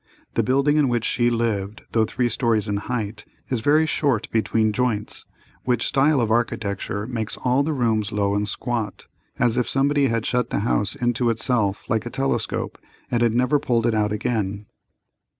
The building in which she lived, though three stories in height, is very short between joints, which style of architecture makes all the rooms low and squat, as if somebody had shut the house into itself like a telescope, and had never pulled it out again.